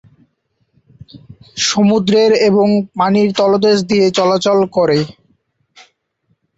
সমুদ্রের এবং পানির তলদেশ দিয়ে চলাচল করে।